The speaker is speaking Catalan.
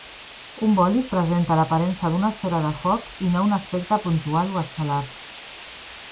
Un bòlid presenta l'aparença d'una esfera de foc, i no un aspecte puntual o estel·lar.